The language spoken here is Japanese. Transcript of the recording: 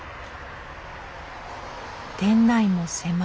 店内も狭い。